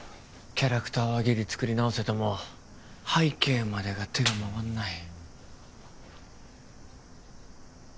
キャラクターはギリ作り直せても背景までが手がまわんない